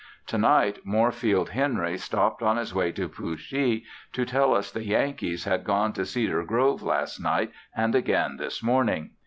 Tonight Moorfield Henry stopped on his way to Pooshee to tell us the Yankees had gone to Cedar Grove last night and again this morning.